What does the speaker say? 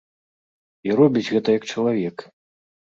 І робіць гэта як чалавек.